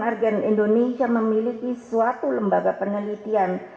argen indonesia memiliki suatu lembaga penelitian